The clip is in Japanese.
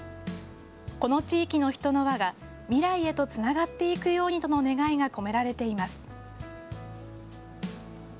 この地域の人の和が、未来へとつながっていくようにとの願いが込められています。